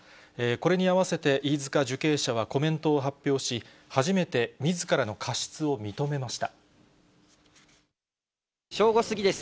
これに合わせて飯塚受刑者はコメントを発表し、初めてみずからの正午過ぎです。